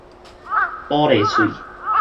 玻璃碎